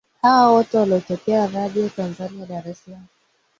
Hawa wote walitokea Radio Tanzania Dar Es salaam